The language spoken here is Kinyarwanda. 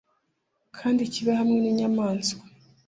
kandi kibe hamwe n inyamaswa